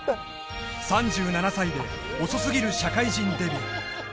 ３７歳で遅すぎる社会人デビュー